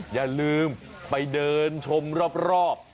อย่าลืมไปเดินชมรอบ